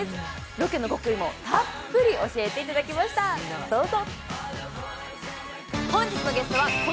ロケの極意もたっぷり教えていただきましたどうぞ。